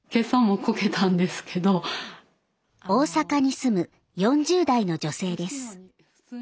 大阪に住む４０代の女性です。